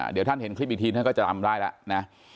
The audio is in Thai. เดี๋ยวท่านเห็นคลิปอีกทีท่านก็จะจำได้แล้วนะ